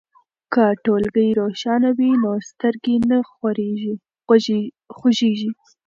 که ټولګی روښانه وي نو سترګې نه خوږیږي.